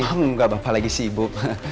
gak apa apa lagi sibuk